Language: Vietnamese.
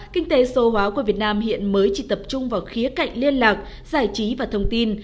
kinh tế số hóa của việt nam hiện mới chỉ tập trung vào khía cạnh liên lạc giải trí và thông tin